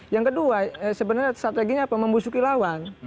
yang kedua sebenarnya strateginya apa membusuki lawan